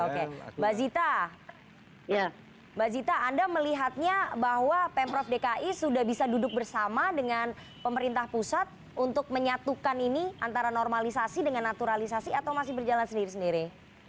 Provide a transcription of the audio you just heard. oke mbak zita mbak zita anda melihatnya bahwa pemprov dki sudah bisa duduk bersama dengan pemerintah pusat untuk menyatukan ini antara normalisasi dengan naturalisasi atau masih berjalan sendiri sendiri